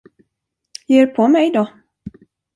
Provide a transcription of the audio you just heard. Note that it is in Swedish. Ge er på mig då.